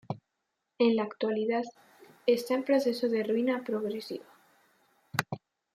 En la actualidad está en proceso de ruina progresiva.